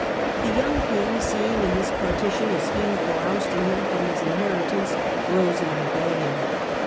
The young king, seeing in this partition a scheme for ousting him from his inheritance, rose in rebellion.